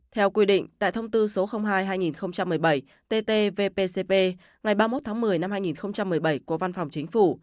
theo quy định tại thông tư số hai hai nghìn một mươi bảy ttvcp ngày ba mươi một tháng một mươi năm hai nghìn một mươi bảy của văn phòng chính phủ